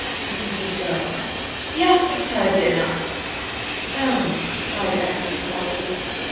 "It was a girl?" "Yes, absurdly enough." "Oh," sighed Emily, sorrowfully.